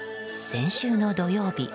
先週の土曜日。